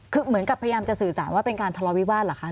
คือเหมือนกับพยายามจะสื่อสารว่าเป็นการทะเลาวิวาสเหรอคะ